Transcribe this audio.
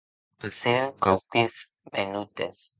Passèren quauques menutes.